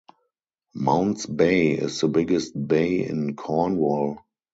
Mount's Bay is the biggest bay in Cornwall.